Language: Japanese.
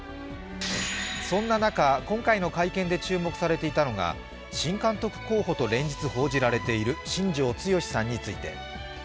そんな中、今回の会見で注目されていたのが新監督候補と連日報じられている新庄剛志さんについて。